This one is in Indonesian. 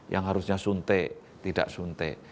yang harusnya suntik tidak suntik